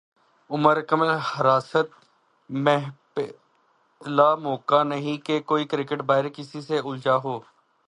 عمر اکمل حراست میںپہلا موقع نہیں کہ کوئی کرکٹر باہر کسی سے الجھا ہو